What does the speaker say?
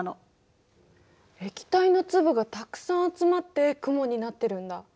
液体の粒がたくさん集まって雲になってるんだ。